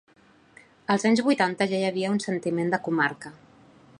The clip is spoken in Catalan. Als anys vuitanta ja hi havia un sentiment de comarca.